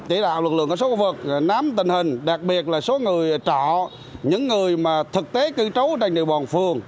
để đạo lực lượng các xã hội vật nám tình hình đặc biệt là số người trọ những người mà thực tế cư trấu trên địa bàn phường